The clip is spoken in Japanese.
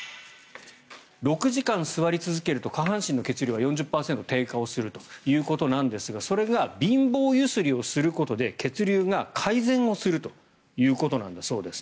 ６時間座り続けると下半身の血流が４０％低下するということですがそれが貧乏揺すりをすることで血流が改善するということなんだそうです。